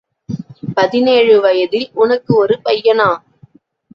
பதினேழு வயதில் உனக்கு ஒரு பையனா?